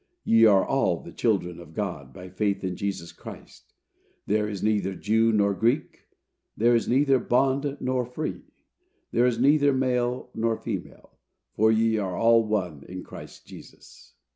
"Ye are all the children of God, by faith in Jesus Christ; there is neither Jew nor Greek, there is neither bond nor free, there is neither male nor female, for ye are all one in Christ Jesus."